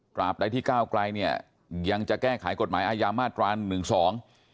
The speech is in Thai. กลับได้ที่ก้าวกลายยังจะแก้ไขกฏหมายอยามมาตรวจส่วน๑๒